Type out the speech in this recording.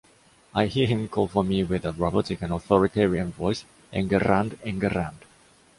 I hear him call for me with a robotic and authoritarian voice, “Enguerrand, Enguerrand!”